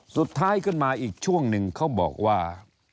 สุดท้ายขึ้นมาอีกช่วงหนึ่งเขาบอกว่า